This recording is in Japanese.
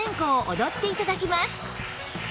踊って頂きます